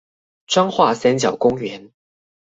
彰化三角公園